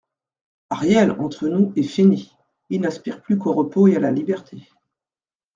Ariel, entre nous, est fini ; il n'aspire plus qu'au repos et à la liberté.